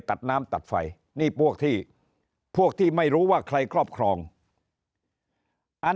ตัดน้ำตัดไฟนี่พวกที่พวกที่ไม่รู้ว่าใครครอบครองอัน